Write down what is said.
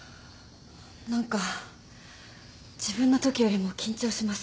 何か自分のときよりも緊張します。